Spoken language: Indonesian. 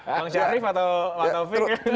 bang syarif atau bang taufik